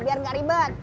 biar ga ribet